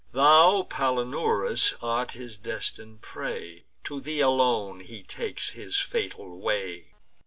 Thou, Palinurus, art his destin'd prey; To thee alone he takes his fatal way.